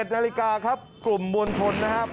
๑นาฬิกาครับกลุ่มมวลชนนะครับ